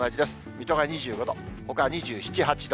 水戸が２５度、ほかは２７、８度。